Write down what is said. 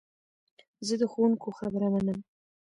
زه د ښوونکو خبره منم.